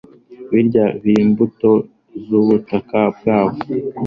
birya n'imbuto z'ubutaka bwabo